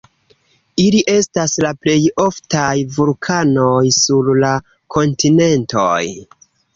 Ili estas la plej oftaj vulkanoj sur la kontinentoj.